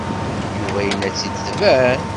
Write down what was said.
Yuba yenna-tt-id tban.